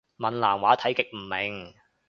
閩南話睇極唔明